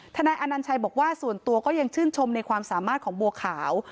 นายอนัญชัยบอกว่าส่วนตัวก็ยังชื่นชมในความสามารถของบัวขาว